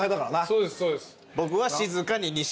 そうですそうです。